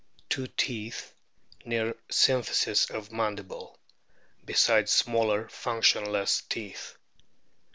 Two teeth near symphysis of mandible, besides smaller, functionless teeth.